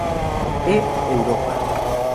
E. Europa.